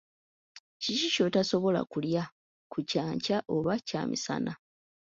Kiki ky'otasobola kulya ku kyankya oba kyamisana?